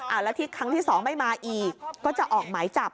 แล้วที่ครั้งที่สองไม่มาอีกก็จะออกหมายจับ